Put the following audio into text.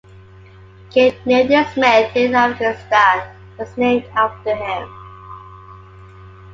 Camp Nathan Smith in Afghanistan was named after him.